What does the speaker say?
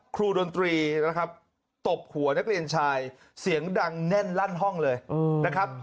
ครูดนตรีตบหัวนักเรียนชายเสียงดังแน่นนั่นออกเลยนะครับ